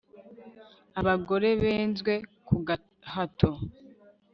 abagore benzwe ku gahato